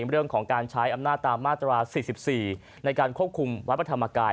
เรื่องของการใช้อำนาจตามมาตรา๔๔ในการควบคุมวัดพระธรรมกาย